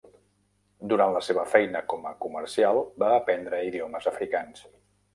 Durant la seva feina com a comercial va aprendre idiomes africans.